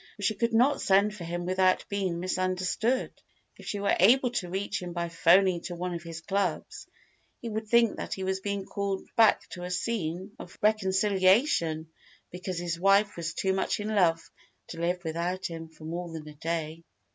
But she could not send for him without being misunderstood. If she were able to reach him by 'phoning to one of his clubs, he would think that he was being called back to a scene of reconciliation because his wife was too much in love to live without him for more than a day.